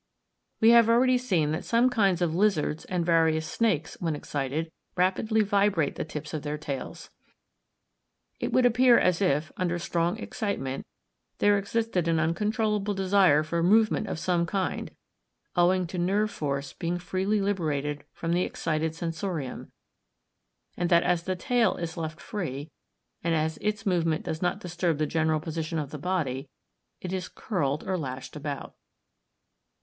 We have already seen that some kinds of lizards and various snakes, when excited, rapidly vibrate the tips of their tails. It would appear as if, under strong excitement, there existed an uncontrollable desire for movement of some kind, owing to nerve force being freely liberated from the excited sensorium; and that as the tail is left free, and as its movement does not disturb the general position of the body, it is curled or lashed about.